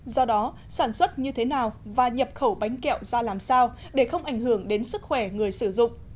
do đó sản xuất như thế nào và nhập khẩu bánh kẹo ra làm sao để không ảnh hưởng đến sức khỏe người sử dụng